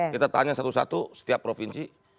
kita tanya satu satu setiap provinsi